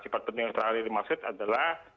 sifat penting keterangan ini maksudnya adalah